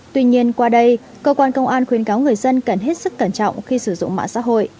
tuy nhiên qua đây cơ quan công an khuyến cáo người dân cần hết sức cẩn trọng khi sử dụng mạng xã hội